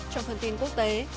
trong thông tin quốc tế